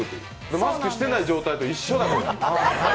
マスクしてない状態と一緒になる。